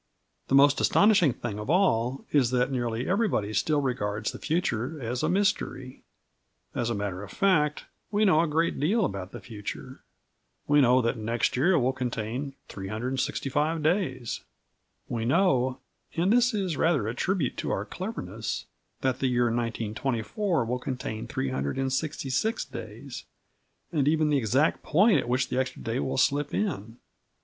The most astonishing thing of all is that nearly everybody still regards the future as a mystery. As a matter of fact, we know a great deal about the future. We know that next year will contain 365 days. We know and this is rather a tribute to our cleverness that the year 1924 will contain 366 days, and even the exact point at which the extra day will slip in.